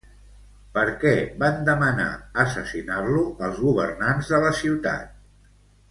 Per què van demanar assassinar-lo els governants de la ciutat?